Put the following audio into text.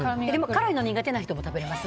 辛いの苦手な人も食べれます？